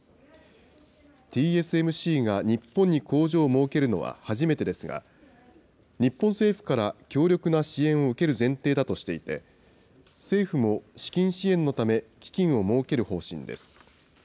ＴＳＭＣが日本に工場を設けるのは初めてですが、日本政府から強力な支援を受ける前提だとしていて、政府も資金支援のため、基金を設ける方針です。